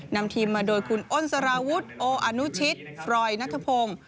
นำทีมมาโดยคุณอ้อนสราวุธโออนุชิตฟรอยด์ณฑพงศ์